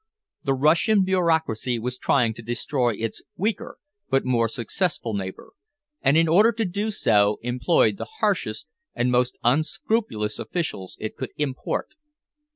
The Russian bureaucracy was trying to destroy its weaker but more successful neighbor, and in order to do so employed the harshest and most unscrupulous officials it could import.